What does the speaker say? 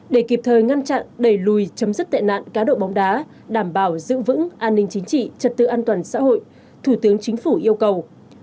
để kịp thời ngăn chặn đẩy lùi chấm dứt tệ nạn cá độ bóng đá đảm bảo giữ vững an ninh chính trị trật tự an toàn xã hội thủ tướng chính phủ yêu cầu